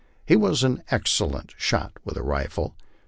He was an excellent shot with the rifle.